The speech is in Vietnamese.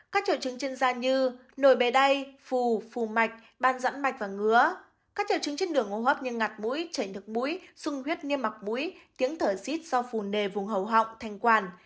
các triệu chứng trên da như nồi bề đay phù phù mạch ban dãn mạch và ngứa các triệu chứng trên đường hô hấp như ngặt mũi chảy nước mũi sung huyết niêm mặc mũi tiếng thở xít do phù nề vùng hầu họng thanh quản